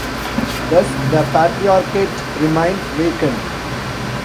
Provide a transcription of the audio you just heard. Thus, the Patriarchate remained vacant.